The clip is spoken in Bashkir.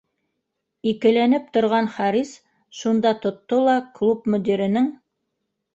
Икеләнеп торған Харис шунда тотто ла клуб мөдиренең